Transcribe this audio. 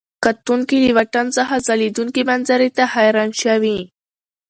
کتونکي له واټن څخه ځلېدونکي منظرې ته حیران شوي.